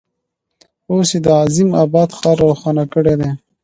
اوس یې د عظیم آباد ښار روښانه کړی دی.